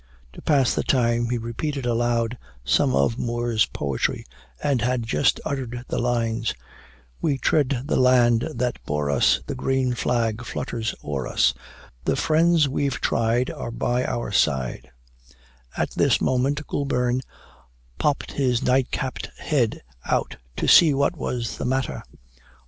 To pass the time, he repeated aloud some of Moore's poetry, and had just uttered the lines "We tread the land that bore us, The green flag flutters o'er us, The friends we've tried are by our side " At this moment Goulburn popped his nightcapped head out, to see what was the matter.